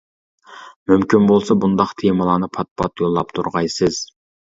مۇمكىن بولسا بۇنداق تېمىلارنى پات-پات يوللاپ تۇرغايسىز.